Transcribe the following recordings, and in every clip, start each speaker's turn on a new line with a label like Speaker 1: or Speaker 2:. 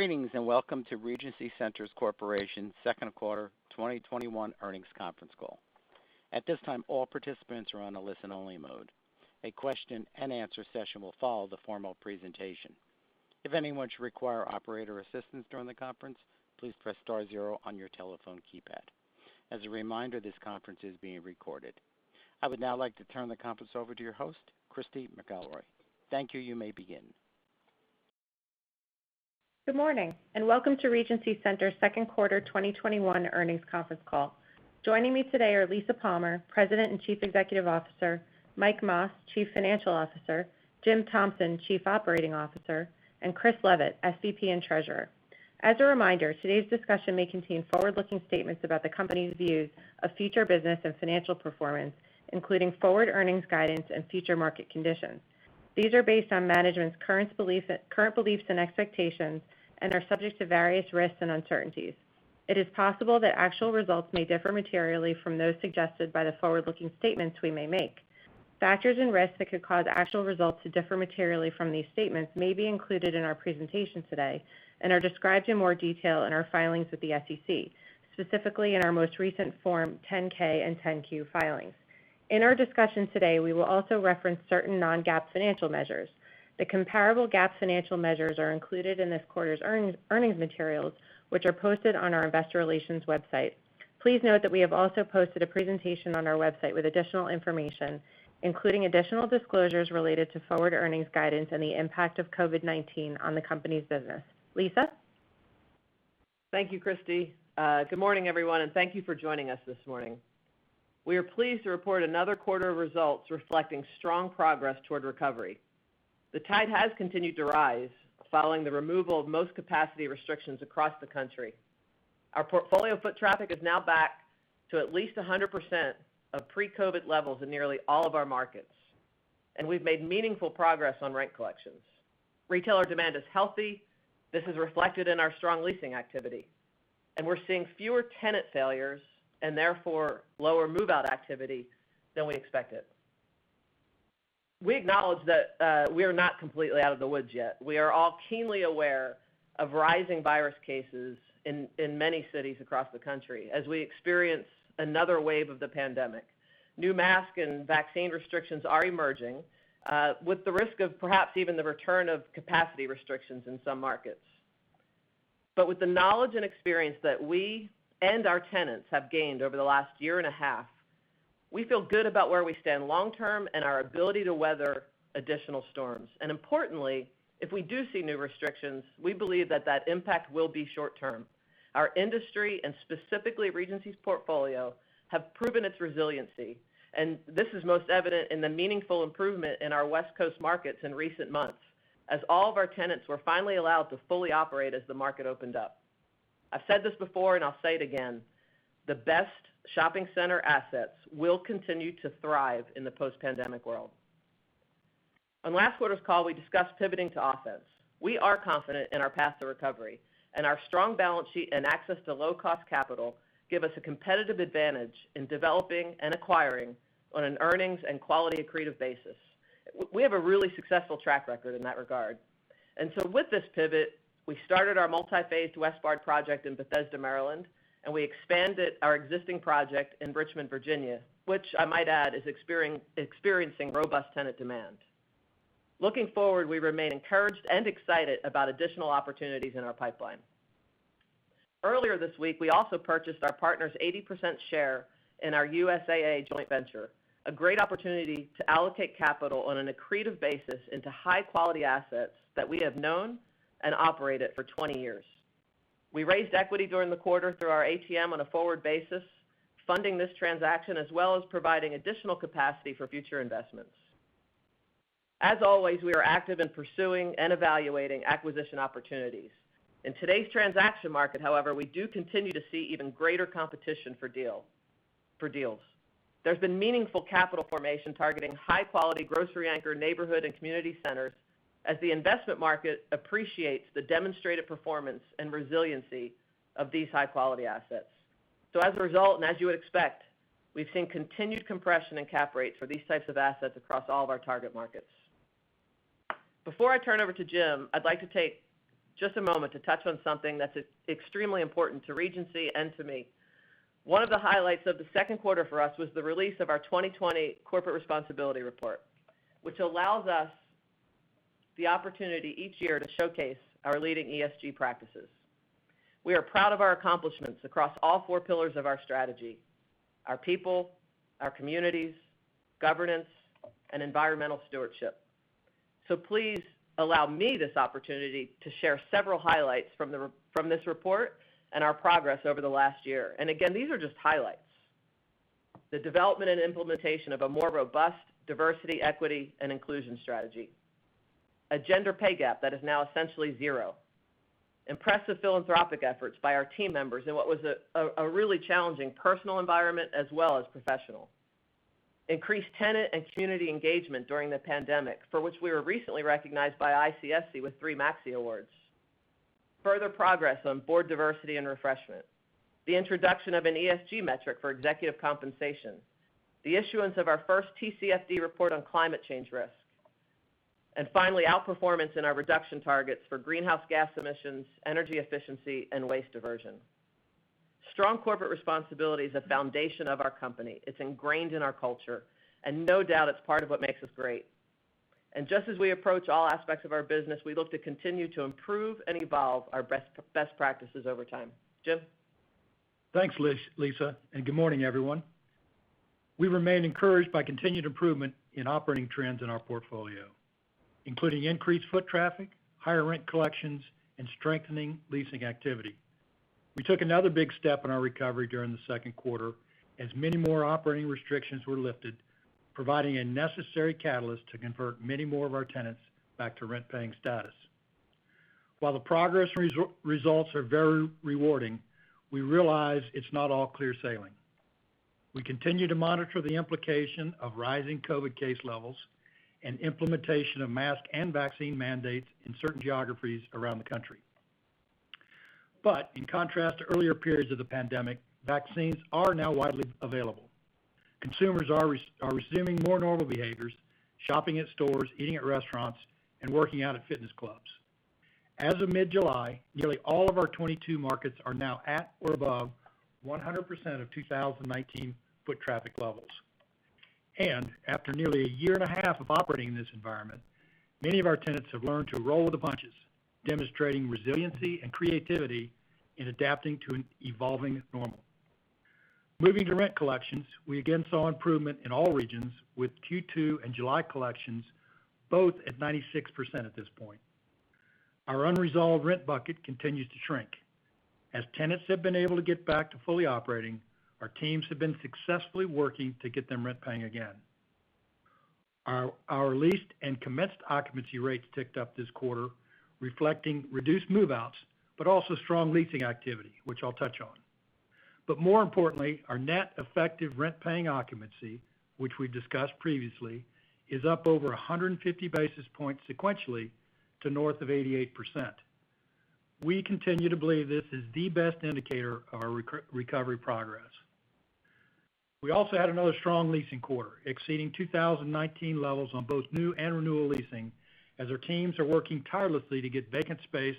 Speaker 1: Greetings, and welcome to Regency Centers Corporation's second quarter 2021 earnings conference call. At this time, all participants are on a listen-only mode. A question and answer session will follow the formal presentation. If anyone should require operator assistance during the conference, please press star zero on your telephone keypad. As a reminder, this conference is being recorded. I would now like to turn the conference over to your host, Christy McElroy. Thank you. You may begin.
Speaker 2: Good morning, and welcome to Regency Centers' second quarter 2021 earnings conference call. Joining me today are Lisa Palmer, President and Chief Executive Officer, Mike Mas, Chief Financial Officer, Jim Thompson, Chief Operating Officer, and Chris Leavitt, SVP and Treasurer. As a reminder, today's discussion may contain forward-looking statements about the company's views of future business and financial performance, including forward earnings guidance and future market conditions. These are based on management's current beliefs and expectations and are subject to various risks and uncertainties. It is possible that actual results may differ materially from those suggested by the forward-looking statements we may make. Factors and risks that could cause actual results to differ materially from these statements may be included in our presentation today and are described in more detail in our filings with the SEC, specifically in our most recent Form 10-K and 10-Q filings. In our discussion today, we will also reference certain non-GAAP financial measures. The comparable GAAP financial measures are included in this quarter's earnings materials, which are posted on our investor relations website. Please note that we have also posted a presentation on our website with additional information, including additional disclosures related to forward earnings guidance and the impact of COVID-19 on the company's business. Lisa?
Speaker 3: Thank you, Christy. Good morning, everyone, and thank you for joining us this morning. We are pleased to report another quarter of results reflecting strong progress toward recovery. The tide has continued to rise following the removal of most capacity restrictions across the country. Our portfolio foot traffic is now back to at least 100% of pre-COVID levels in nearly all of our markets, and we've made meaningful progress on rent collections. Retailer demand is healthy. This is reflected in our strong leasing activity. We're seeing fewer tenant failures, and therefore lower move-out activity than we expected. We acknowledge that we are not completely out of the woods yet. We are all keenly aware of rising virus cases in many cities across the country as we experience another wave of the pandemic. New mask and vaccine restrictions are emerging, with the risk of perhaps even the return of capacity restrictions in some markets. With the knowledge and experience that we and our tenants have gained over the last year and a half, we feel good about where we stand long term and our ability to weather additional storms. Importantly, if we do see new restrictions, we believe that that impact will be short term. Our industry, and specifically Regency's portfolio, have proven its resiliency, and this is most evident in the meaningful improvement in our West Coast markets in recent months, as all of our tenants were finally allowed to fully operate as the market opened up. I've said this before and I'll say it again, the best shopping center assets will continue to thrive in the post-pandemic world. On last quarter's call, we discussed pivoting to offense. We are confident in our path to recovery. Our strong balance sheet and access to low-cost capital give us a competitive advantage in developing and acquiring on an earnings and quality accretive basis. We have a really successful track record in that regard. With this pivot, we started our multi-phase Westbard project in Bethesda, Maryland, and we expanded our existing project in Richmond, Virginia, which I might add is experiencing robust tenant demand. Looking forward, we remain encouraged and excited about additional opportunities in our pipeline. Earlier this week, we also purchased our partner's 80% share in our USAA joint venture, a great opportunity to allocate capital on an accretive basis into high-quality assets that we have known and operated for 20 years. We raised equity during the quarter through our ATM on a forward basis, funding this transaction as well as providing additional capacity for future investments. As always, we are active in pursuing and evaluating acquisition opportunities. In today's transaction market, however, we do continue to see even greater competition for deals. There's been meaningful capital formation targeting high-quality grocery anchor neighborhood and community centers as the investment market appreciates the demonstrated performance and resiliency of these high-quality assets. As a result, and as you would expect, we've seen continued compression in cap rates for these types of assets across all of our target markets. Before I turn over to Jim, I'd like to take just a moment to touch on something that's extremely important to Regency and to me. One of the highlights of the second quarter for us was the release of our 2020 corporate responsibility report, which allows us the opportunity each year to showcase our leading ESG practices. We are proud of our accomplishments across all 4 pillars of our strategy, our people, our communities, governance, and environmental stewardship. Please allow me this opportunity to share several highlights from this report and our progress over the last year. Again, these are just highlights. The development and implementation of a more robust diversity, equity, and inclusion strategy. A gender pay gap that is now essentially 0. Impressive philanthropic efforts by our team members in what was a really challenging personal environment as well as professional. Increased tenant and community engagement during the pandemic, for which we were recently recognized by ICSC with 3 MAXI Awards. Further progress on board diversity and refreshment. The introduction of an ESG metric for executive compensation. The issuance of our first TCFD report on climate change risk. Finally, outperformance in our reduction targets for greenhouse gas emissions, energy efficiency, and waste diversion. Strong corporate responsibility is a foundation of our company. It's ingrained in our culture, and no doubt it's part of what makes us great. Just as we approach all aspects of our business, we look to continue to improve and evolve our best practices over time. Jim?
Speaker 4: Thanks, Lisa, and good morning, everyone. We remain encouraged by continued improvement in operating trends in our portfolio, including increased foot traffic, higher rent collections, and strengthening leasing activity. We took another big step in our recovery during the second quarter as many more operating restrictions were lifted, providing a necessary catalyst to convert many more of our tenants back to rent-paying status. While the progress results are very rewarding, we realize it's not all clear sailing. We continue to monitor the implication of rising COVID-19 case levels and implementation of mask and vaccine mandates in certain geographies around the country. In contrast to earlier periods of the pandemic, vaccines are now widely available. Consumers are resuming more normal behaviors, shopping at stores, eating at restaurants, and working out at fitness clubs. As of mid-July, nearly all of our 22 markets are now at or above 100% of 2019 foot traffic levels. After nearly a year and a half of operating in this environment, many of our tenants have learned to roll with the punches, demonstrating resiliency and creativity in adapting to an evolving normal. Moving to rent collections, we again saw improvement in all regions with Q2 and July collections both at 96% at this point. Our unresolved rent bucket continues to shrink. Tenants have been able to get back to fully operating, our teams have been successfully working to get them rent-paying again. Our leased and commenced occupancy rates ticked up this quarter, reflecting reduced move-outs, but also strong leasing activity, which I'll touch on. More importantly, our net effective rent-paying occupancy, which we discussed previously, is up over 150 basis points sequentially to north of 88%. We continue to believe this is the best indicator of our recovery progress. We also had another strong leasing quarter, exceeding 2019 levels on both new and renewal leasing, as our teams are working tirelessly to get vacant space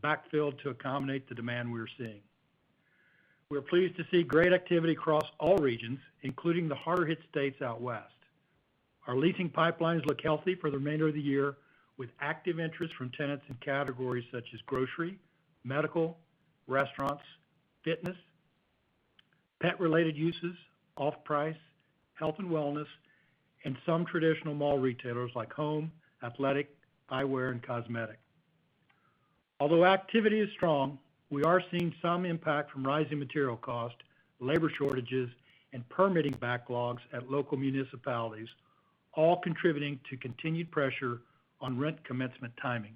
Speaker 4: back filled to accommodate the demand we are seeing. We are pleased to see great activity across all regions, including the harder hit states out west. Our leasing pipelines look healthy for the remainder of the year, with active interest from tenants in categories such as grocery, medical, restaurants, fitness, pet-related uses, off-price, health and wellness, and some traditional mall retailers like home, athletic, eyewear, and cosmetic. Although activity is strong, we are seeing some impact from rising material cost, labor shortages, and permitting backlogs at local municipalities, all contributing to continued pressure on rent commencement timing.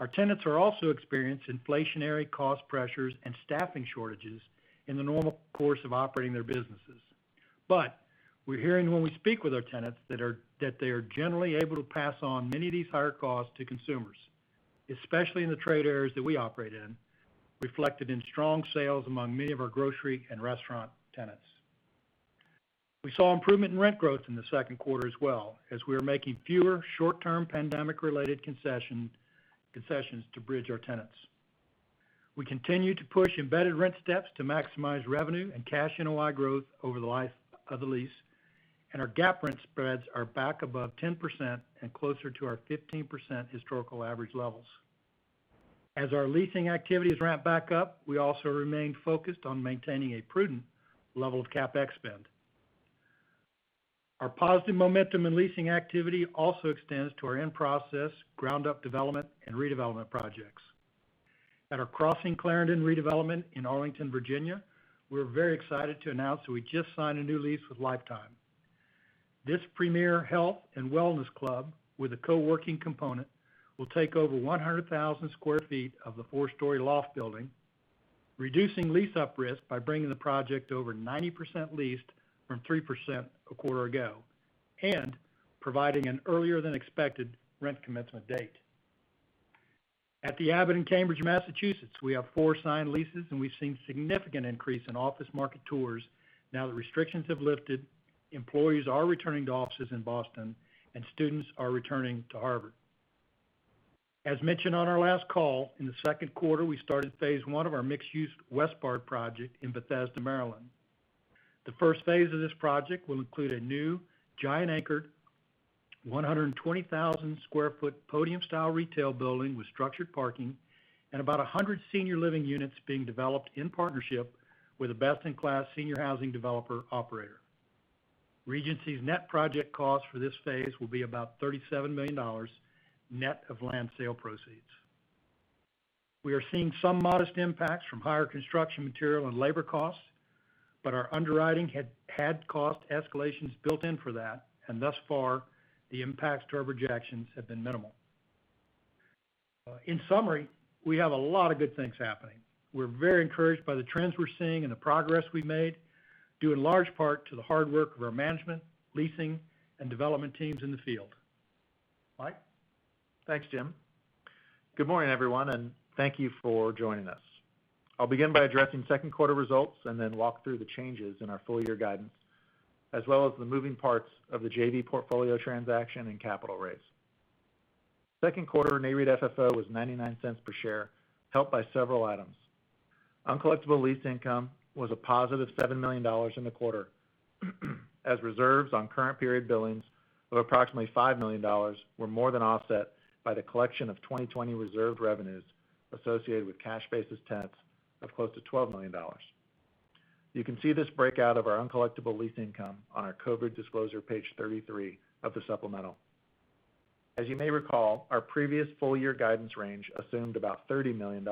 Speaker 4: Our tenants are also experiencing inflationary cost pressures and staffing shortages in the normal course of operating their businesses. We're hearing when we speak with our tenants that they are generally able to pass on many of these higher costs to consumers, especially in the trade areas that we operate in, reflected in strong sales among many of our grocery and restaurant tenants. We saw improvement in rent growth in the second quarter as well, as we are making fewer short-term pandemic-related concessions to bridge our tenants. We continue to push embedded rent steps to maximize revenue and cash NOI growth over the life of the lease, and our gap rent spreads are back above 10% and closer to our 15% historical average levels. As our leasing activities ramp back up, we also remain focused on maintaining a prudent level of CapEx spend. Our positive momentum in leasing activity also extends to our in-process ground-up development and redevelopment projects. At our Crossing Clarendon redevelopment in Arlington, Virginia, we're very excited to announce that we just signed a new lease with Life Time. This premier health and wellness club with a co-working component will take over 100,000 sq ft of the four-story loft building, reducing lease-up risk by bringing the project over 90% leased from 3% a quarter ago, and providing an earlier than expected rent commencement date. At The Abbot in Cambridge, Massachusetts, we have four signed leases, and we've seen significant increase in office market tours. The restrictions have lifted, employees are returning to offices in Boston, and students are returning to Harvard. As mentioned on our last call, in the second quarter, we started phase 1 of our mixed-use Westbard project in Bethesda, Maryland. The first phase of this project will include a new Giant anchored, 120,000 sq ft podium-style retail building with structured parking and about 100 senior living units being developed in partnership with a best-in-class senior housing developer operator. Regency's net project cost for this phase will be about $37 million, net of land sale proceeds. We are seeing some modest impacts from higher construction material and labor costs, but our underwriting had cost escalations built in for that, and thus far, the impacts to our projections have been minimal. In summary, we have a lot of good things happening. We're very encouraged by the trends we're seeing and the progress we made, due in large part to the hard work of our management, leasing, and development teams in the field. Mike?
Speaker 5: Thanks, Jim. Good morning, everyone, and thank you for joining us. I'll begin by addressing second quarter results and then walk through the changes in our full year guidance, as well as the moving parts of the JV portfolio transaction and capital raise. Second quarter NAREIT FFO was $0.99 per share, helped by several items. Uncollectible lease income was a positive $7 million in the quarter, as reserves on current period billings of approximately $5 million were more than offset by the collection of 2020 reserved revenues associated with cash basis tenants of close to $12 million. You can see this breakout of our uncollectible lease income on our COVID disclosure, page 33 of the supplemental. You may recall, our previous full year guidance range assumed about $30 million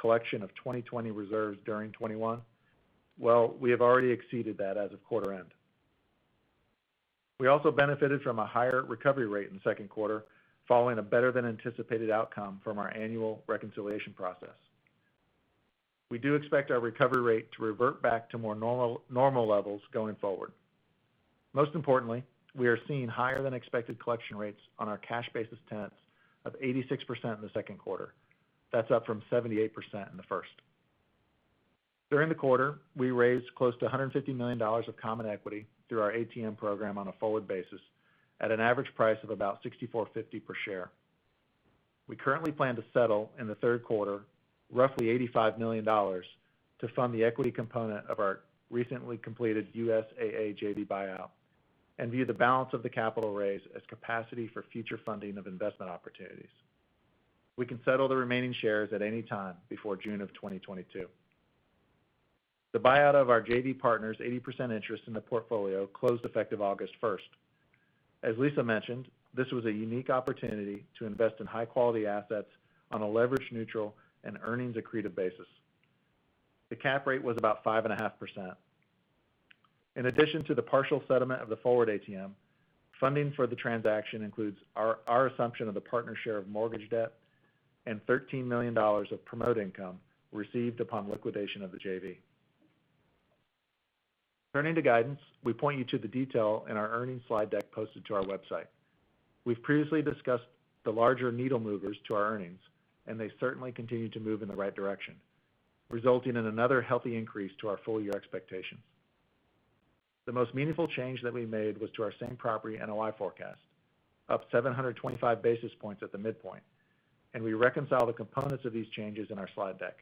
Speaker 5: collection of 2020 reserves during 2021. Well, we have already exceeded that as of quarter end. We also benefited from a higher recovery rate in the second quarter, following a better than anticipated outcome from our annual reconciliation process. We do expect our recovery rate to revert back to more normal levels going forward. Most importantly, we are seeing higher than expected collection rates on our cash basis tenants of 86% in the second quarter. That's up from 78% in the first. During the quarter, we raised close to $150 million of common equity through our ATM program on a forward basis at an average price of about $64.50 per share. We currently plan to settle in the third quarter roughly $85 million to fund the equity component of our recently completed USAA JV buyout, and view the balance of the capital raise as capacity for future funding of investment opportunities. We can settle the remaining shares at any time before June of 2022. The buyout of our JV partner's 80% interest in the portfolio closed effective August 1st. As Lisa mentioned, this was a unique opportunity to invest in high quality assets on a leverage neutral and earnings accretive basis. The cap rate was about 5.5%. In addition to the partial settlement of the forward ATM, funding for the transaction includes our assumption of the partner share of mortgage debt and $13 million of promote income received upon liquidation of the JV. Turning to guidance, we point you to the detail in our earnings slide deck posted to our website. We've previously discussed the larger needle movers to our earnings, and they certainly continue to move in the right direction, resulting in another healthy increase to our full year expectations. The most meaningful change that we made was to our same property NOI forecast, up 725 basis points at the midpoint, we reconcile the components of these changes in our slide deck.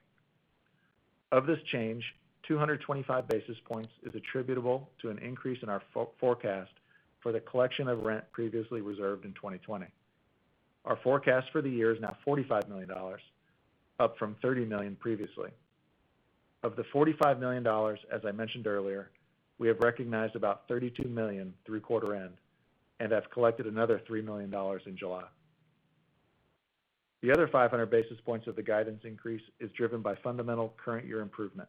Speaker 5: Of this change, 225 basis points is attributable to an increase in our forecast for the collection of rent previously reserved in 2020. Our forecast for the year is now $45 million, up from $30 million previously. Of the $45 million, as I mentioned earlier, we have recognized about $32 million through quarter end and have collected another $3 million in July. The other 500 basis points of the guidance increase is driven by fundamental current year improvement,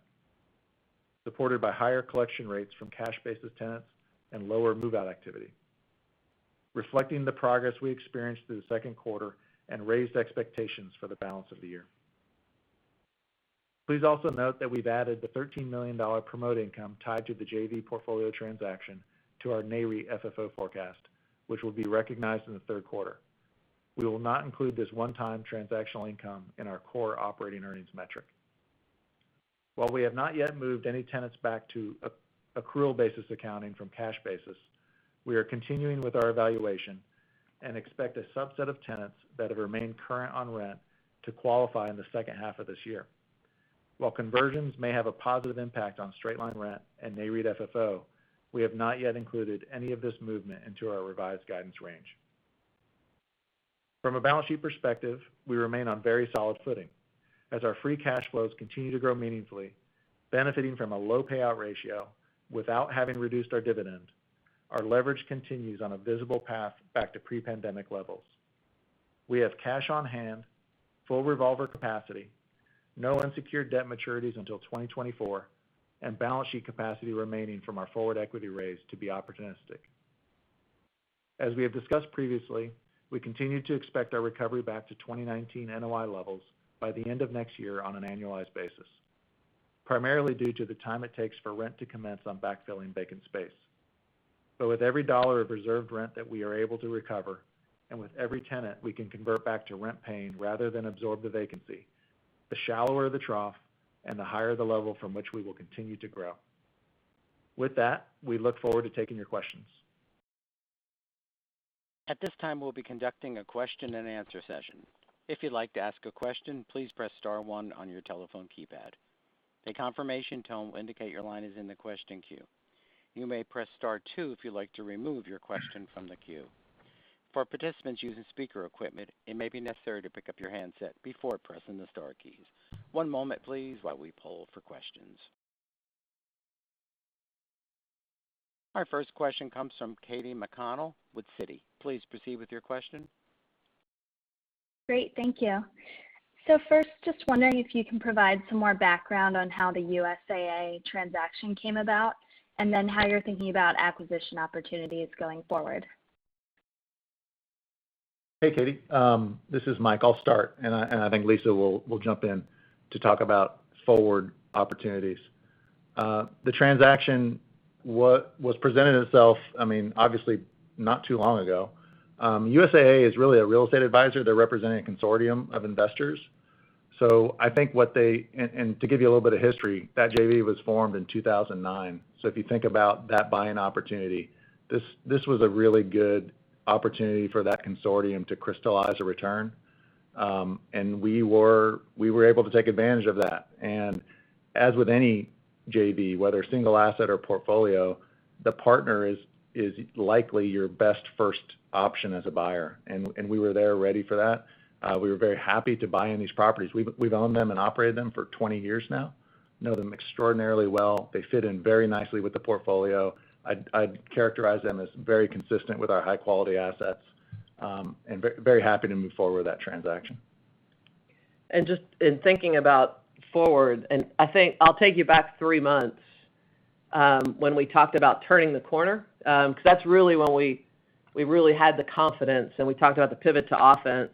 Speaker 5: supported by higher collection rates from cash basis tenants and lower move-out activity, reflecting the progress we experienced through the second quarter and raised expectations for the balance of the year. Please also note that we've added the $13 million promote income tied to the JV portfolio transaction to our NAREIT FFO forecast, which will be recognized in the third quarter. We will not include this one-time transactional income in our core operating earnings metric. While we have not yet moved any tenants back to accrual basis accounting from cash basis, we are continuing with our evaluation and expect a subset of tenants that have remained current on rent to qualify in the second half of this year. While conversions may have a positive impact on straight-line rent and NAREIT FFO, we have not yet included any of this movement into our revised guidance range. From a balance sheet perspective, we remain on very solid footing. As our free cash flows continue to grow meaningfully, benefiting from a low payout ratio without having reduced our dividend, our leverage continues on a visible path back to pre-pandemic levels. We have cash on hand, full revolver capacity, no unsecured debt maturities until 2024, and balance sheet capacity remaining from our forward equity raise to be opportunistic. As we have discussed previously, we continue to expect our recovery back to 2019 NOI levels by the end of next year on an annualized basis, primarily due to the time it takes for rent to commence on backfilling vacant space. With every dollar of reserved rent that we are able to recover, and with every tenant we can convert back to rent paying rather than absorb the vacancy, the shallower the trough and the higher the level from which we will continue to grow. With that, we look forward to taking your questions.
Speaker 1: At this time, we'll be conducting a question and answer session. If you'd like to ask a question, please press star 1 on your telephone keypad. A confirmation tone will indicate your line is in the question queue. You may press star 2 if you'd like to remove your question from the queue. For participants using speaker equipment, it may be necessary to pick up your handset before pressing the star keys. One moment please while we poll for questions. Our first question comes from Katy McConnell with Citi. Please proceed with your question.
Speaker 6: Great. Thank you. First, just wondering if you can provide some more background on how the USAA transaction came about, and then how you're thinking about acquisition opportunities going forward.
Speaker 5: Hey, Katy. This is Mike. I'll start, I think Lisa will jump in to talk about forward opportunities. The transaction was presenting itself, obviously not too long ago. USAA is really a real estate advisor. They're representing a consortium of investors. To give you a little bit of history, that JV was formed in 2009. If you think about that buying opportunity, this was a really good opportunity for that consortium to crystallize a return. We were able to take advantage of that. As with any JV, whether single asset or portfolio, the partner is likely your best first option as a buyer. We were there ready for that. We were very happy to buy in these properties. We've owned them and operated them for 20 years now, know them extraordinarily well. They fit in very nicely with the portfolio. I'd characterize them as very consistent with our high-quality assets, and very happy to move forward with that transaction.
Speaker 3: Just in thinking about forward, I'll take you back 3 months, when we talked about turning the corner, because that's really when we really had the confidence, we talked about the pivot to offense,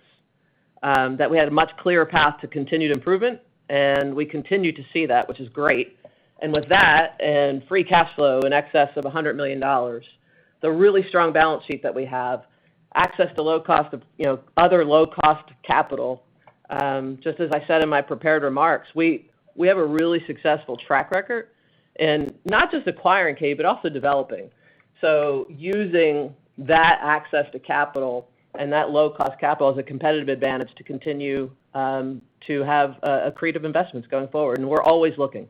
Speaker 3: that we had a much clearer path to continued improvement, and we continue to see that, which is great. With that, free cash flow in excess of $100 million, the really strong balance sheet that we have, access to other low-cost capital, just as I said in my prepared remarks, we have a really successful track record in not just acquiring, Katy, but also developing. Using that access to capital and that low-cost capital as a competitive advantage to continue to have accretive investments going forward. We're always looking.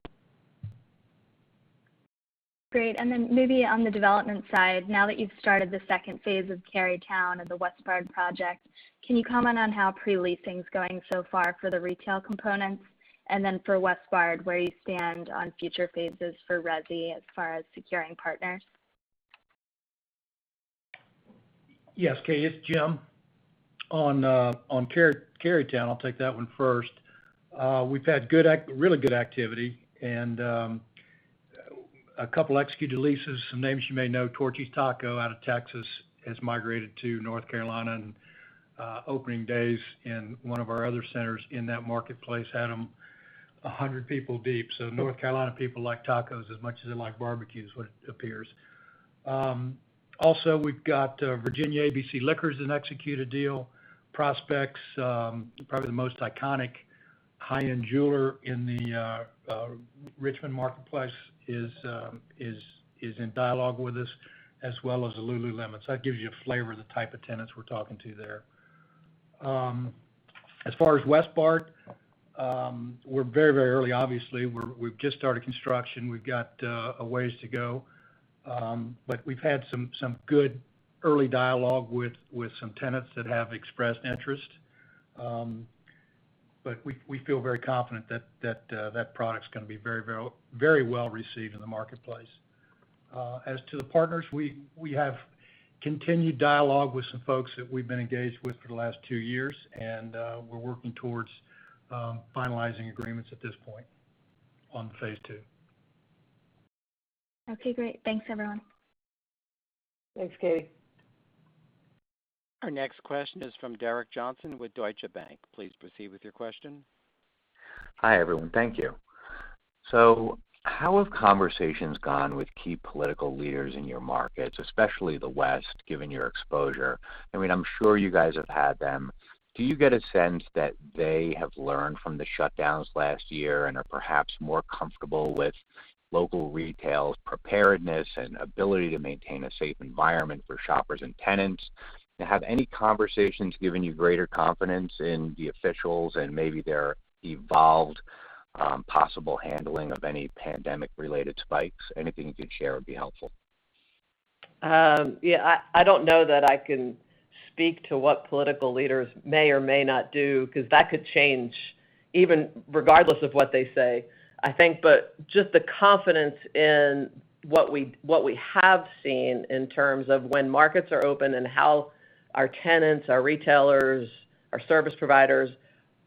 Speaker 6: Great. Maybe on the development side, now that you've started the second phase of Carytown and the WestBard project, can you comment on how pre-leasing's going so far for the retail components? For WestBard, where you stand on future phases for resi as far as securing partners?
Speaker 4: Yes, Katy, it's Jim. On Carytown, I'll take that one first. We've had really good activity, and a 2 executed leases. Some names you may know, Torchy's Tacos out of Texas has migrated to North Carolina, and opening days in one of our other centers in that marketplace had them 100 people deep. North Carolina people like tacos as much as they like barbecue is what it appears. Also, we've got Virginia ABC Liquors, an executed deal. Prospects, probably the most iconic high-end jeweler in the Richmond marketplace is in dialogue with us, as well as the lululemon. That gives you a flavor of the type of tenants we're talking to there. As far as WestBard, we're very early, obviously. We've just started construction. We've got a ways to go. We've had some good early dialogue with some tenants that have expressed interest. We feel very confident that product's going to be very well-received in the marketplace. As to the partners, we have continued dialogue with some folks that we've been engaged with for the last two years, and we're working towards finalizing agreements at this point on phase two.
Speaker 6: Okay, great. Thanks, everyone.
Speaker 3: Thanks, Katy.
Speaker 1: Our next question is from Derek Johnston with Deutsche Bank. Please proceed with your question.
Speaker 7: Hi, everyone. Thank you. How have conversations gone with key political leaders in your markets, especially the West, given your exposure? I'm sure you guys have had them. Do you get a sense that they have learned from the shutdowns last year and are perhaps more comfortable with local retail's preparedness and ability to maintain a safe environment for shoppers and tenants? Have any conversations given you greater confidence in the officials and maybe their evolved possible handling of any pandemic-related spikes? Anything you could share would be helpful.
Speaker 3: Yeah. I don't know that I can speak to what political leaders may or may not do, because that could change even regardless of what they say, I think. Just the confidence in what we have seen in terms of when markets are open and how our tenants, our retailers, our service providers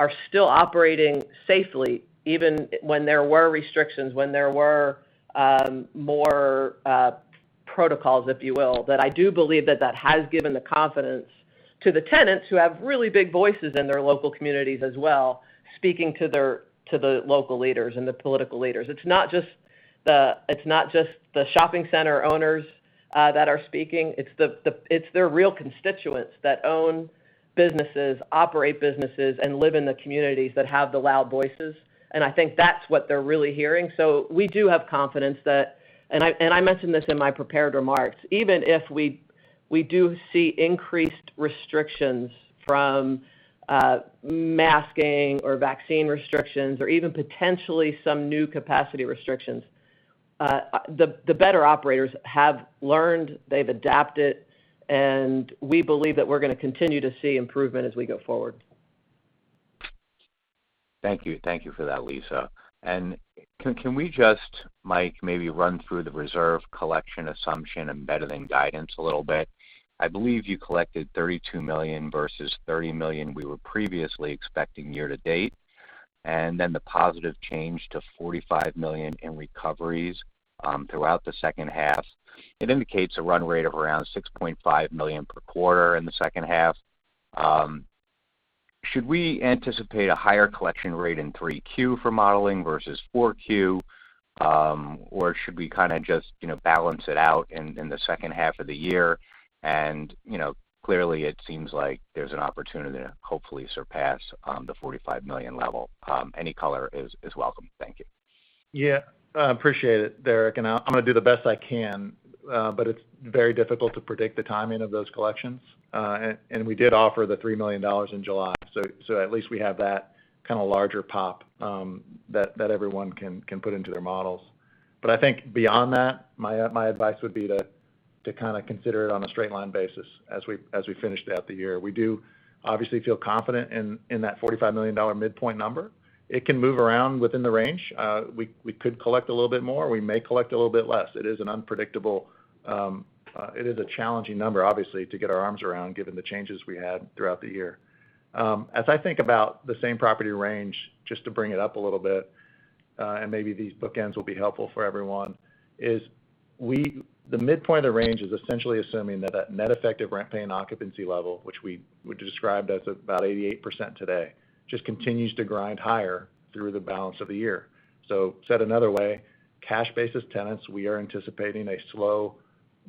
Speaker 3: are still operating safely, even when there were restrictions, when there were more protocols, if you will. I do believe that that has given the confidence to the tenants, who have really big voices in their local communities as well, speaking to the local leaders and the political leaders. It's not just the shopping center owners that are speaking, it's their real constituents that own businesses, operate businesses, and live in the communities that have the loud voices, and I think that's what they're really hearing. We do have confidence that, and I mentioned this in my prepared remarks, even if we do see increased restrictions from masking or vaccine restrictions or even potentially some new capacity restrictions, the better operators have learned, they've adapted, and we believe that we're going to continue to see improvement as we go forward.
Speaker 7: Thank you. Thank you for that, Lisa. Can we just, Mike, maybe run through the reserve collection assumption and better-than guidance a little bit? I believe you collected $32 million versus $30 million we were previously expecting year to date, and then the positive change to $45 million in recoveries throughout the second half. It indicates a run rate of around $6.5 million per quarter in the second half. Should we anticipate a higher collection rate in 3Q for modeling versus 4Q, or should we kind of just balance it out in the second half of the year? Clearly it seems like there's an opportunity to hopefully surpass the $45 million level. Any color is welcome. Thank you.
Speaker 5: I appreciate it, Derek. I'm going to do the best I can. It's very difficult to predict the timing of those collections. We did offer the $3 million in July, so at least we have that kind of larger pop that everyone can put into their models. I think beyond that, my advice would be to kind of consider it on a straight line basis as we finish out the year. We do obviously feel confident in that $45 million midpoint number. It can move around within the range. We could collect a little bit more. We may collect a little bit less. It is unpredictable. It is a challenging number, obviously, to get our arms around given the changes we had throughout the year. As I think about the same property range, just to bring it up a little bit, and maybe these bookends will be helpful for everyone, the midpoint of range is essentially assuming that that net effective rent-paying occupancy level, which we described as about 88% today, just continues to grind higher through the balance of the year. Said another way, cash basis tenants, we are anticipating a slow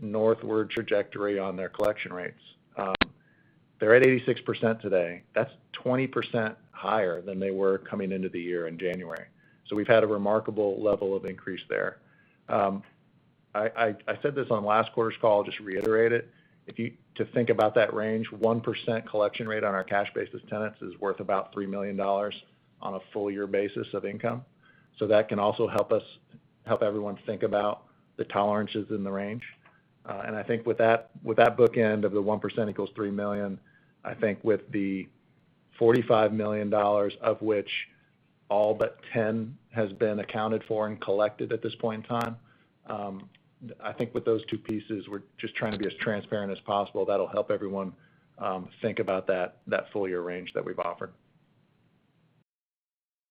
Speaker 5: northward trajectory on their collection rates. They're at 86% today. That's 20% higher than they were coming into the year in January. We've had a remarkable level of increase there. I said this on last quarter's call, just to reiterate it. To think about that range, 1% collection rate on our cash basis tenants is worth about $3 million on a full year basis of income. That can also help everyone think about the tolerances in the range. I think with that bookend of the 1% equals $3 million, I think with the $45 million, of which all but $10 million has been accounted for and collected at this point in time. I think with those two pieces, we're just trying to be as transparent as possible. That'll help everyone think about that full year range that we've offered.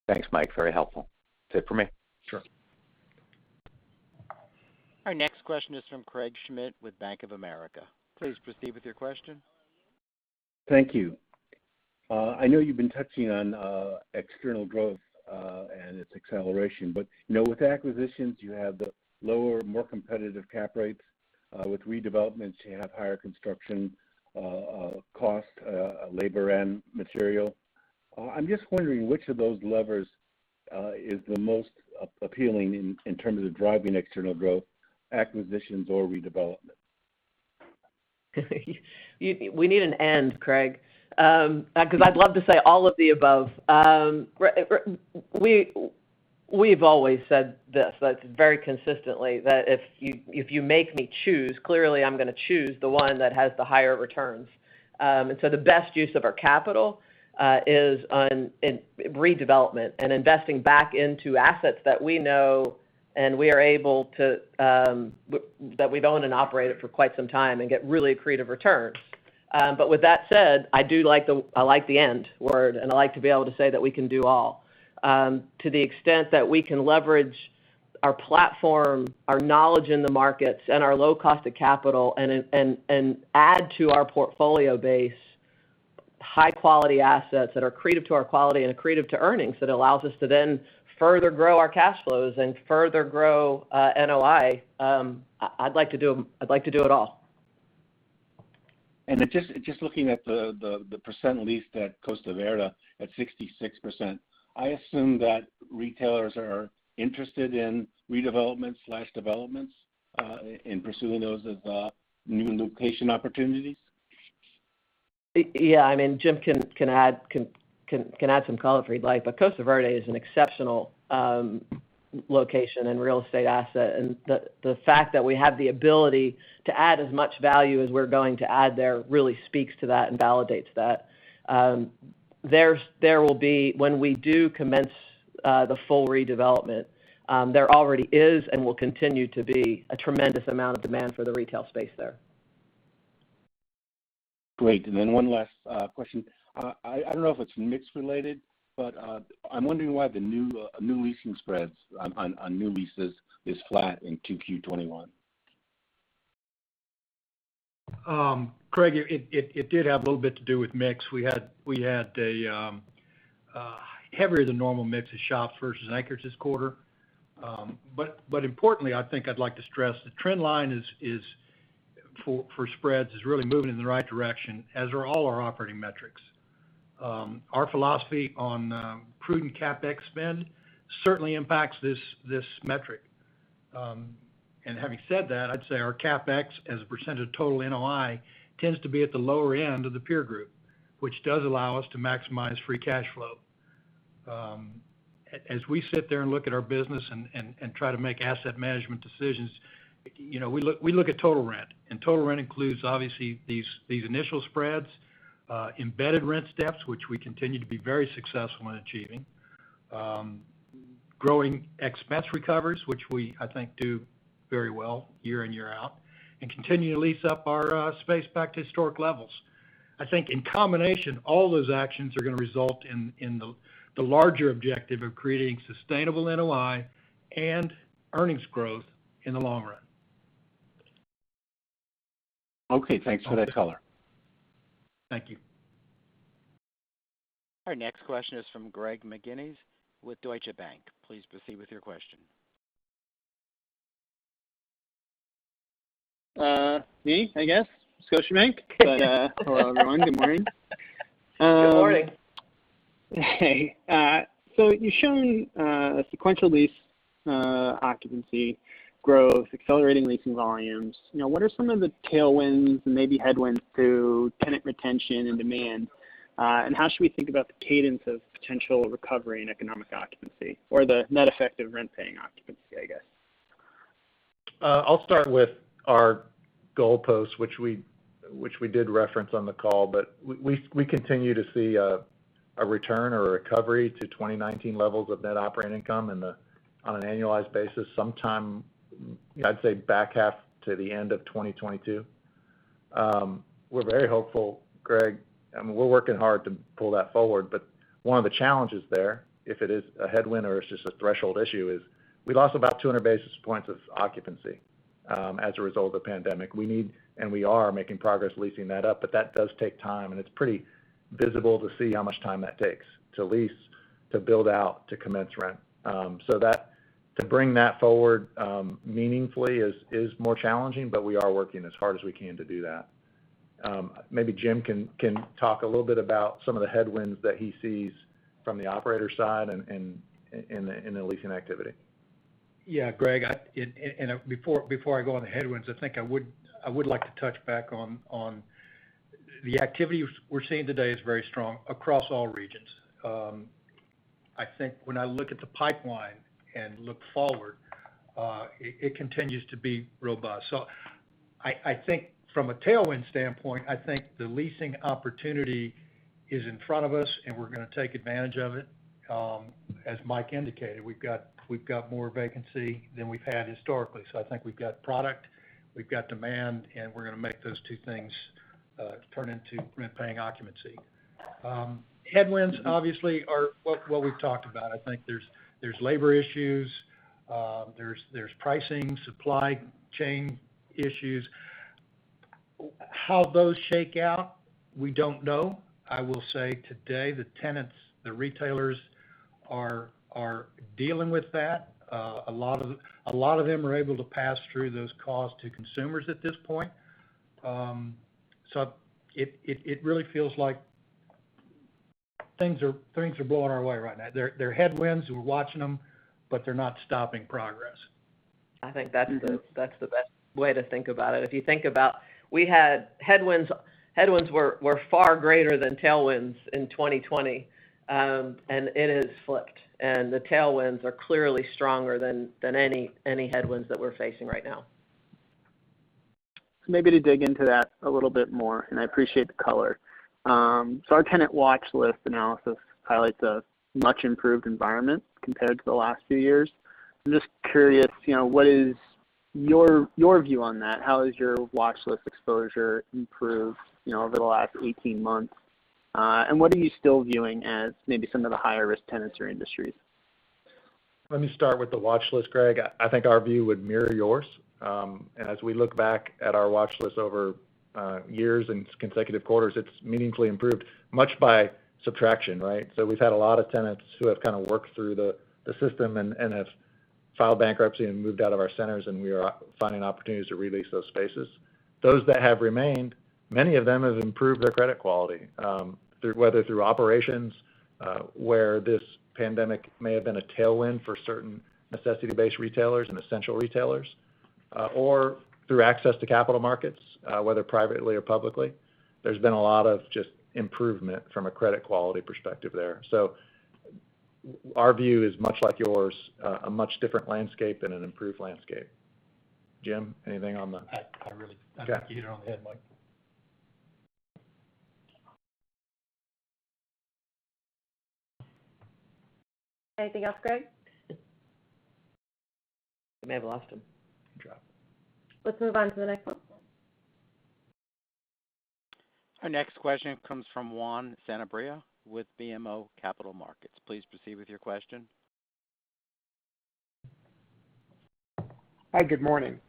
Speaker 7: Thanks, Mike. Very helpful. That's it for me.
Speaker 5: Sure.
Speaker 1: Our next question is from Craig Schmidt with Bank of America. Please proceed with your question.
Speaker 8: Thank you. I know you've been touching on external growth, and its acceleration. With acquisitions, you have the lower, more competitive cap rates. With redevelopments, you have higher construction cost, labor, and material. I'm just wondering which of those levers is the most appealing in terms of driving external growth, acquisitions or redevelopment?
Speaker 3: We need an and, Craig, because I'd love to say all of the above. We've always said this very consistently, that if you make me choose, clearly I'm going to choose the one that has the higher returns. The best use of our capital is in redevelopment and investing back into assets that we know that we've owned and operated for quite some time and get really accretive returns. With that said, I like the and word, and I like to be able to say that we can do all. To the extent that we can leverage our platform, our knowledge in the markets, and our low cost of capital and add to our portfolio base high-quality assets that are accretive to our quality and accretive to earnings, that allows us to then further grow our cash flows and further grow NOI. I'd like to do them. I'd like to do it all.
Speaker 8: Just looking at the percent leased at Costa Verde at 66%, I assume that retailers are interested in redevelopment/developments, in pursuing those as new location opportunities?
Speaker 3: Yeah. Jim can add some color if he'd like, but Costa Verde is an exceptional location and real estate asset, and the fact that we have the ability to add as much value as we're going to add there really speaks to that and validates that. There will be, when we do commence the full redevelopment, there already is and will continue to be a tremendous amount of demand for the retail space there.
Speaker 8: Great. One last question. I don't know if it's mix related, but I'm wondering why the new leasing spreads on new leases is flat in 2Q 2021.
Speaker 5: Craig, it did have a little bit to do with mix. We had a heavier than normal mix of shops versus anchors this quarter. Importantly, I think I'd like to stress the trend line for spreads is really moving in the right direction, as are all our operating metrics. Our philosophy on prudent CapEx spend certainly impacts this metric. Having said that, I'd say our CapEx as a % of total NOI tends to be at the lower end of the peer group, which does allow us to maximize free cash flow. As we sit there and look at our business and try to make asset management decisions, we look at total rent. Total rent includes, obviously, these initial spreads, embedded rent steps, which we continue to be very successful in achieving, growing expense recovers, which we, I think, do very well year in, year out, and continue to lease up our space back to historic levels. I think in combination, all those actions are going to result in the larger objective of creating sustainable NOI and earnings growth in the long run.
Speaker 8: Okay. Thanks for that color.
Speaker 4: Thank you.
Speaker 1: Our next question is from Greg McGinniss with Deutsche Bank. Please proceed with your question.
Speaker 9: Me, I guess. Scotiabank. Hello, everyone. Good morning.
Speaker 3: Good morning.
Speaker 9: You're showing a sequential lease occupancy growth, accelerating leasing volumes. What are some of the tailwinds and maybe headwinds through tenant retention and demand? How should we think about the cadence of potential recovery in economic occupancy or the net effective rent-paying occupancy, I guess?
Speaker 5: I'll start with our goalpost, which we did reference on the call. We continue to see a return or a recovery to 2019 levels of net operating income on an annualized basis, sometime, I'd say, back half to the end of 2022. We're very hopeful, Greg. I mean, we're working hard to pull that forward, but one of the challenges there, if it is a headwind or it's just a threshold issue, is we lost about 200 basis points of occupancy as a result of the pandemic. We need, and we are, making progress leasing that up, but that does take time, and it's pretty visible to see how much time that takes to lease, to build out, to commence rent. To bring that forward meaningfully is more challenging, but we are working as hard as we can to do that. Maybe Jim can talk a little bit about some of the headwinds that he sees from the operator side and in the leasing activity.
Speaker 4: Yeah, Greg, before I go on the headwinds, I think I would like to touch back on the activity we're seeing today is very strong across all regions. I think when I look at the pipeline and look forward, it continues to be robust. From a tailwind standpoint, I think the leasing opportunity is in front of us, and we're going to take advantage of it. As Mike indicated, we've got more vacancy than we've had historically. I think we've got product, we've got demand, and we're going to make those two things turn into rent-paying occupancy. Headwinds obviously are what we've talked about. I think there's labor issues, there's pricing, supply chain issues. How those shake out, we don't know. I will say today, the tenants, the retailers are dealing with that. A lot of them are able to pass through those costs to consumers at this point. It really feels like things are blowing our way right now. They're headwinds, we're watching them, but they're not stopping progress.
Speaker 3: I think that's the best way to think about it. If you think about, headwinds were far greater than tailwinds in 2020. It has flipped. The tailwinds are clearly stronger than any headwinds that we're facing right now.
Speaker 9: Maybe to dig into that a little bit more. I appreciate the color. Our tenant watch list analysis highlights a much-improved environment compared to the last few years. I'm just curious, what is your view on that? How has your watch list exposure improved over the last 18 months? What are you still viewing as maybe some of the higher-risk tenants or industries?
Speaker 5: Let me start with the watch list, Greg. I think our view would mirror yours. As we look back at our watch list over years and consecutive quarters, it's meaningfully improved, much by subtraction, right? We've had a lot of tenants who have kind of worked through the system and have filed bankruptcy and moved out of our centers, and we are finding opportunities to re-lease those spaces. Those that have remained, many of them have improved their credit quality, whether through operations where this pandemic may have been a tailwind for certain necessity-based retailers and essential retailers, or through access to capital markets whether privately or publicly. There's been a lot of just improvement from a credit quality perspective there. Our view is much like yours, a much different landscape and an improved landscape. Jim, anything on that?
Speaker 4: I really-
Speaker 5: Yeah
Speaker 4: I think you hit it on the head, Mike.
Speaker 3: Anything else, Greg?
Speaker 1: We may have lost him.
Speaker 5: He dropped.
Speaker 3: Let's move on to the next one.
Speaker 1: Our next question comes from Juan Sanabria with BMO Capital Markets. Please proceed with your question.
Speaker 10: Hi, good morning.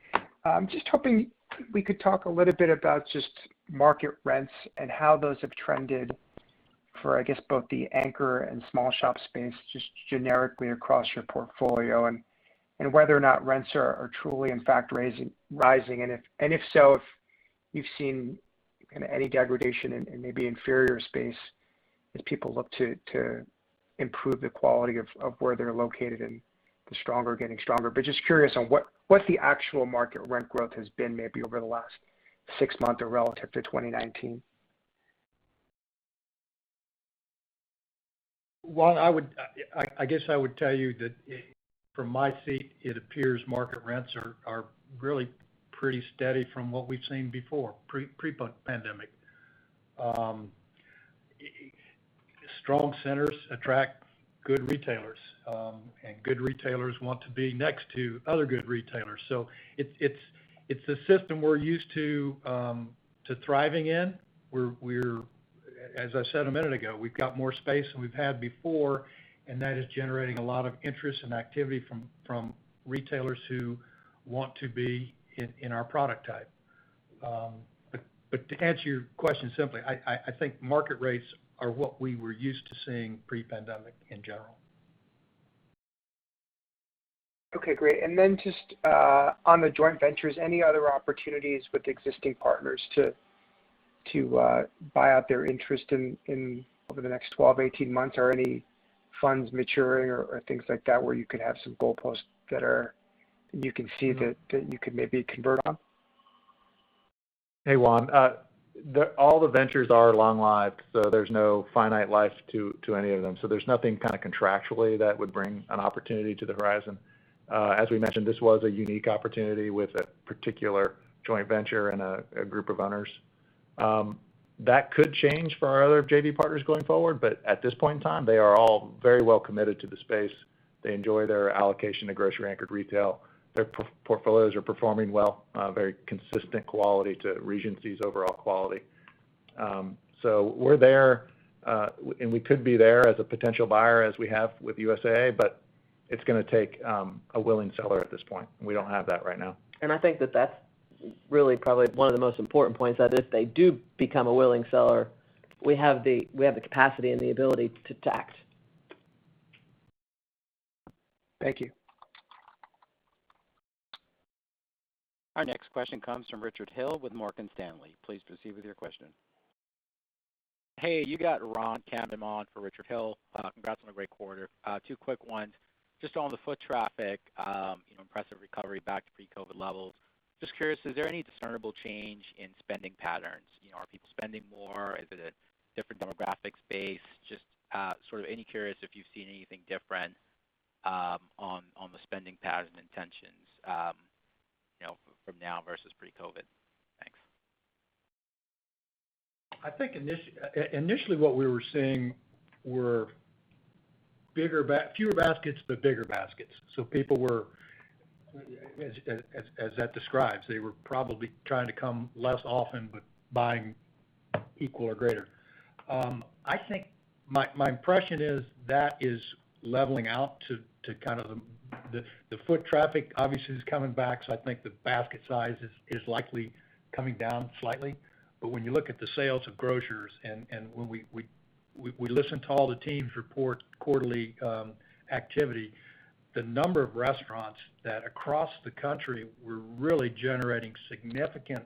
Speaker 10: I'm just hoping we could talk a little bit about just market rents and how those have trended for, I guess, both the anchor and small shop space, just generically across your portfolio, and whether or not rents are truly in fact rising. If so, if you've seen kind of any degradation in maybe inferior space as people look to improve the quality of where they're located and the stronger getting stronger. Just curious on what the actual market rent growth has been maybe over the last six months or relative to 2019.
Speaker 4: Juan, I guess I would tell you that from my seat, it appears market rents are really pretty steady from what we've seen before, pre-pandemic. Strong centers attract good retailers, good retailers want to be next to other good retailers. It's a system we're used to thriving in. As I said a minute ago, we've got more space than we've had before, and that is generating a lot of interest and activity from retailers who want to be in our product type. To answer your question simply, I think market rates are what we were used to seeing pre-pandemic in general.
Speaker 10: Okay, great. Just on the joint ventures, any other opportunities with existing partners to buy out their interest over the next 12, 18 months? Any funds maturing or things like that where you could have some goalposts that you can see that you could maybe convert on?
Speaker 5: Hey, Juan. All the ventures are long-lived, so there's no finite life to any of them. There's nothing kind of contractually that would bring an opportunity to the horizon. As we mentioned, this was a unique opportunity with a particular joint venture and a group of owners. That could change for our other JV partners going forward, but at this point in time, they are all very well committed to the space. They enjoy their allocation to grocery-anchored retail. Their portfolios are performing well, very consistent quality to Regency Centers' overall quality. We're there, and we could be there as a potential buyer, as we have with USAA, but it's going to take a willing seller at this point, and we don't have that right now.
Speaker 3: I think that that's really probably one of the most important points, that if they do become a willing seller, we have the capacity and the ability to act.
Speaker 10: Thank you.
Speaker 1: Our next question comes from Richard Hill with Morgan Stanley. Please proceed with your question.
Speaker 11: Hey, you got Ron Kamdem on for Richard Hill. Congrats on a great quarter. Two quick ones. Just on the foot traffic, impressive recovery back to pre-COVID levels. Just curious, is there any discernible change in spending patterns? Are people spending more? Is it a different demographic base? Just sort of any curious if you've seen anything different on the spending patterns and intentions from now versus pre-COVID. Thanks.
Speaker 4: I think initially what we were seeing were fewer baskets, but bigger baskets. People were, as that describes, they were probably trying to come less often, but buying equal or greater. I think my impression is that is leveling out to kind of the foot traffic. The foot traffic obviously is coming back, so I think the basket size is likely coming down slightly. When you look at the sales of grocers and when we listen to all the teams report quarterly activity, the number of restaurants that across the country were really generating significant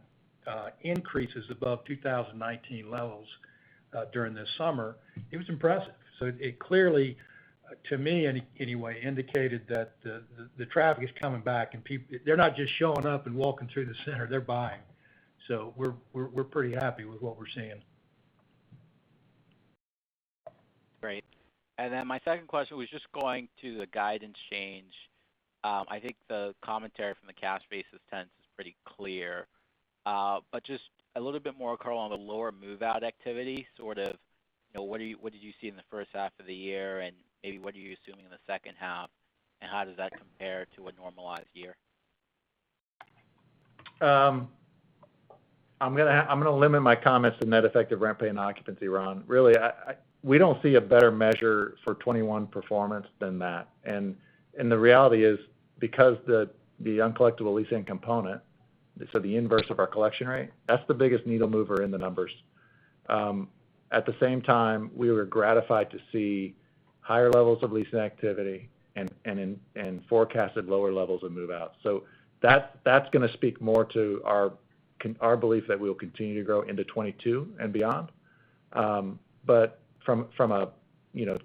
Speaker 4: increases above 2019 levels during the summer, it was impressive. It clearly, to me anyway, indicated that the traffic is coming back, and they're not just showing up and walking through the center, they're buying. We're pretty happy with what we're seeing.
Speaker 11: Great. Then my second question was just going to the guidance change. I think the commentary from the cash basis tenants is pretty clear. But just a little bit more, Carl, on the lower move-out activity, sort of what did you see in the first half of the year, and maybe what are you assuming in the second half, and how does that compare to a normalized year?
Speaker 5: I'm going to limit my comments to net effective rent-paying occupancy, Ron. We don't see a better measure for 2021 performance than that. The reality is, because the uncollectible leasing component, so the inverse of our collection rate, that's the biggest needle mover in the numbers. At the same time, we were gratified to see higher levels of leasing activity and forecasted lower levels of move-out. That's going to speak more to our belief that we will continue to grow into 2022 and beyond. From a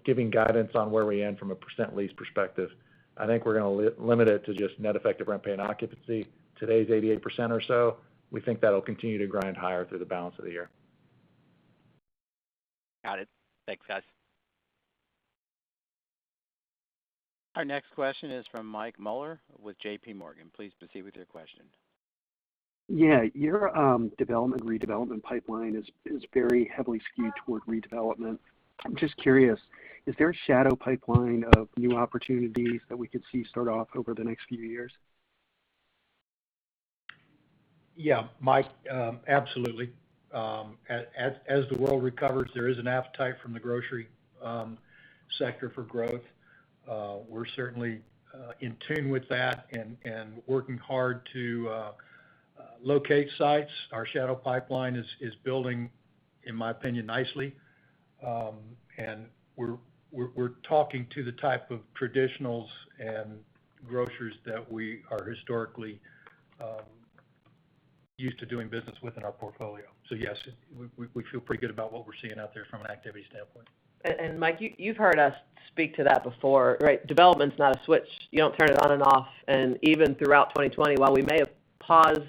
Speaker 5: giving guidance on where we end from a percent lease perspective, I think we're going to limit it to just net effective rent-paying occupancy. Today's 88% or so. We think that'll continue to grind higher through the balance of the year.
Speaker 11: Got it. Thanks, guys.
Speaker 1: Our next question is from Mike Mueller with JPMorgan. Please proceed with your question.
Speaker 12: Yeah. Your development, redevelopment pipeline is very heavily skewed toward redevelopment. I'm just curious, is there a shadow pipeline of new opportunities that we could see start off over the next few years?
Speaker 4: Yeah, Mike. Absolutely. As the world recovers, there is an appetite from the grocery sector for growth. We're certainly in tune with that and working hard to locate sites. Our shadow pipeline is building, in my opinion, nicely. We're talking to the type of traditionals and grocers that we are historically used to doing business with in our portfolio. Yes, we feel pretty good about what we're seeing out there from an activity standpoint.
Speaker 3: Mike, you've heard us speak to that before. Development's not a switch. You don't turn it on and off. Even throughout 2020, while we may have paused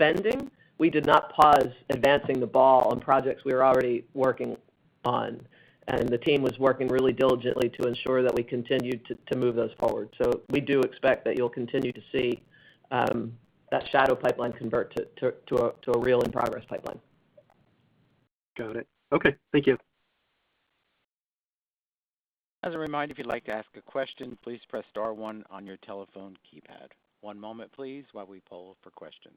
Speaker 3: spending, we did not pause advancing the ball on projects we were already working on. The team was working really diligently to ensure that we continued to move those forward. We do expect that you'll continue to see that shadow pipeline convert to a real in-progress pipeline.
Speaker 12: Got it. Okay. Thank you.
Speaker 1: As a reminder, if you'd like to ask a question, please press star one on your telephone keypad. One moment please, while we poll for questions.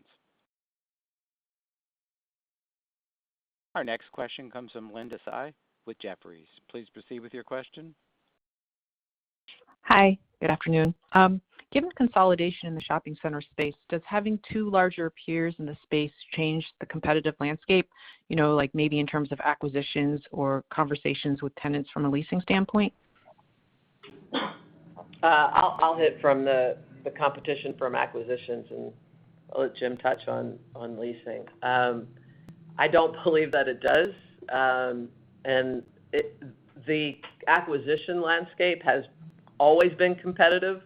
Speaker 1: Our next question comes from Linda Tsai with Jefferies. Please proceed with your question.
Speaker 13: Hi, good afternoon. Given the consolidation in the shopping center space, does having two larger peers in the space change the competitive landscape? Maybe in terms of acquisitions or conversations with tenants from a leasing standpoint?
Speaker 3: I'll hit from the competition from acquisitions, and I'll let Jim touch on leasing. I don't believe that it does. The acquisition landscape has always been competitive,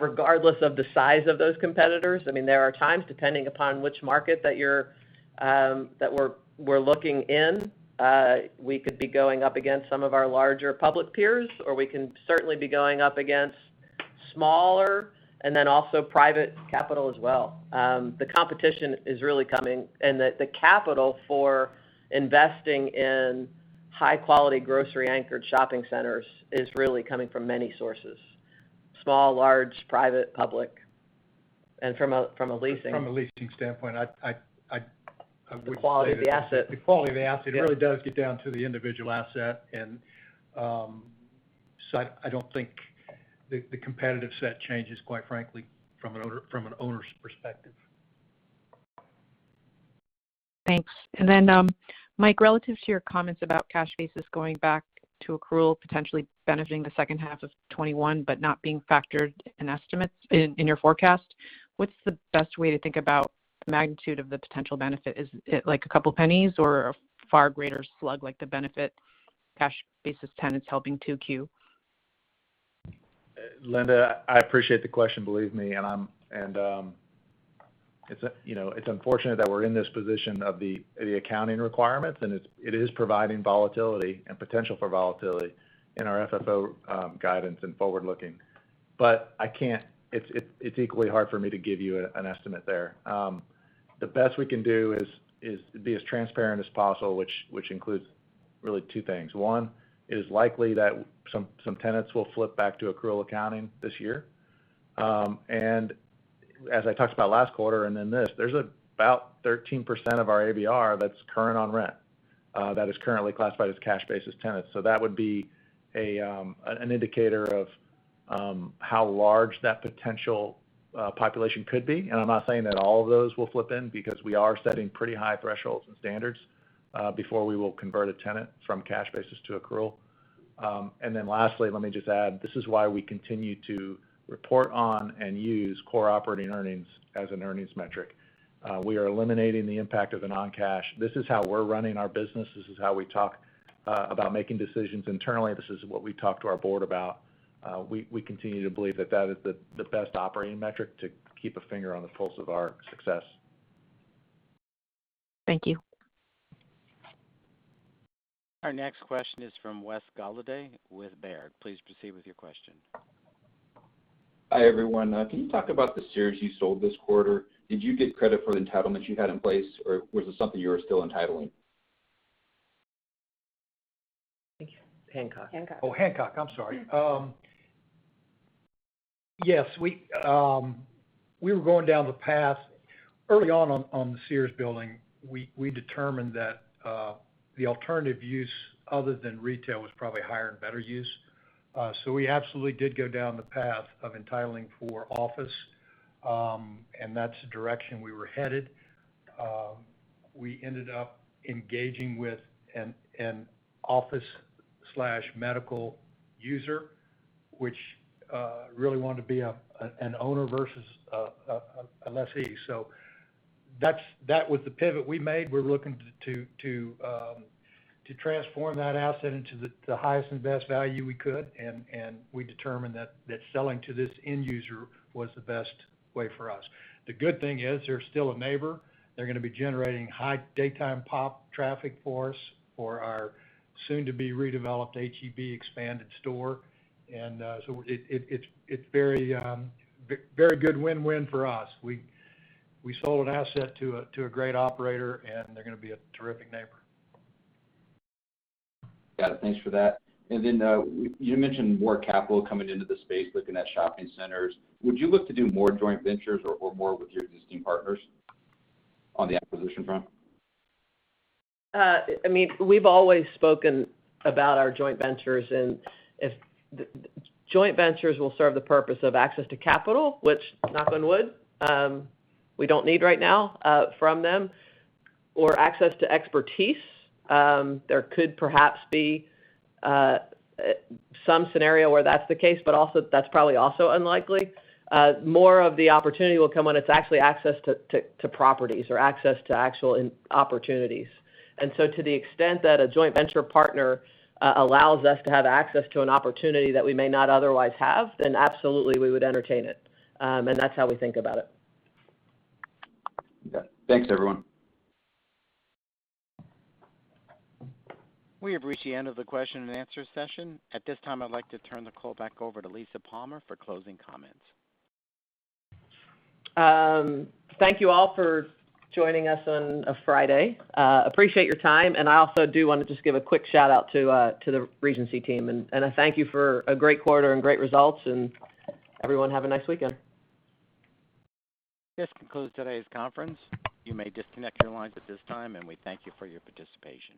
Speaker 3: regardless of the size of those competitors. There are times, depending upon which market that we're looking in, we could be going up against some of our larger public peers, or we can certainly be going up against smaller and then also private capital as well. The competition is really coming, and the capital for investing in high-quality, grocery-anchored shopping centers is really coming from many sources: small, large, private, public, and from a leasing-
Speaker 4: From a leasing standpoint, I would say.
Speaker 3: The quality of the asset.
Speaker 4: the quality of the asset. It really does get down to the individual asset. I don't think the competitive set changes, quite frankly, from an owner's perspective.
Speaker 13: Thanks. Mike, relative to your comments about cash basis going back to accrual potentially benefiting the second half of 2021 but not being factored in estimates in your forecast, what's the best way to think about the magnitude of the potential benefit? Is it like $0.02 or a far greater slug, like the benefit cash basis tenants helping Q2?
Speaker 5: Linda, I appreciate the question, believe me. It's unfortunate that we're in this position of the accounting requirements, and it is providing volatility and potential for volatility in our FFO guidance and forward-looking. It's equally hard for me to give you an estimate there. The best we can do is to be as transparent as possible, which includes really two things. One, it is likely that some tenants will flip back to accrual accounting this year. As I talked about last quarter and then this, there's about 13% of our ABR that's current on rent, that is currently classified as cash basis tenants. That would be an indicator of how large that potential population could be. I'm not saying that all of those will flip in, because we are setting pretty high thresholds and standards before we will convert a tenant from cash basis to accrual. Lastly, let me just add, this is why we continue to report on and use core operating earnings as an earnings metric. We are eliminating the impact of the non-cash. This is how we're running our business. This is how we talk about making decisions internally. This is what we talk to our board about. We continue to believe that that is the best operating metric to keep a finger on the pulse of our success.
Speaker 13: Thank you.
Speaker 1: Our next question is from Wes Golladay with Baird. Please proceed with your question.
Speaker 14: Hi, everyone. Can you talk about the Sears you sold this quarter? Did you get credit for the entitlements you had in place, or was it something you were still entitling?
Speaker 3: I think Hancock. Hancock.
Speaker 4: Hancock, I'm sorry. Yes, we were going down the path. Early on the Sears building, we determined that the alternative use other than retail was probably higher and better use. We absolutely did go down the path of entitling for office, and that's the direction we were headed. We ended up engaging with an office/medical user, which really wanted to be an owner versus a lessee. That was the pivot we made. We were looking to transform that asset into the highest and best value we could, and we determined that selling to this end user was the best way for us. The good thing is they're still a neighbor. They're going to be generating high daytime pop traffic for us for our soon-to-be redeveloped H-E-B expanded store. It's very good win-win for us. We sold an asset to a great operator, and they're going to be a terrific neighbor.
Speaker 14: Got it. Thanks for that. You mentioned more capital coming into the space, looking at shopping centers. Would you look to do more joint ventures or more with your existing partners on the acquisition front?
Speaker 3: We've always spoken about our joint ventures, and if joint ventures will serve the purpose of access to capital, which, knock on wood, we don't need right now from them, or access to expertise. There could perhaps be some scenario where that's the case, but also that's probably also unlikely. More of the opportunity will come when it's actually access to properties or access to actual opportunities. To the extent that a joint venture partner allows us to have access to an opportunity that we may not otherwise have, then absolutely we would entertain it. That's how we think about it.
Speaker 14: Okay. Thanks, everyone.
Speaker 1: We have reached the end of the question and answer session. At this time, I'd like to turn the call back over to Lisa Palmer for closing comments.
Speaker 3: Thank you all for joining us on a Friday. Appreciate your time, and I also do want to just give a quick shout-out to the Regency team, and I thank you for a great quarter and great results. Everyone have a nice weekend.
Speaker 1: This concludes today's conference. You may disconnect your lines at this time, and we thank you for your participation.